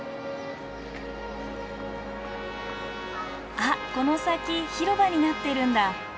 あっこの先広場になってるんだ。